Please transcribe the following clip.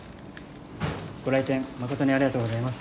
ご来店誠にありがとうございます。